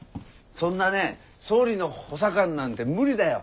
そんなね総理の補佐官なんて無理だよ。